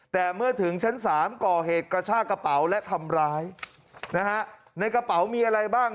แต่เมื่อถึงชั้นสามก่อเหตุกระชากระเป๋าและทำร้ายนะฮะในกระเป๋ามีอะไรบ้าง